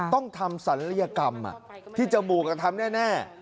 ต้องทำศัลยกรรมที่จมูกทำแน่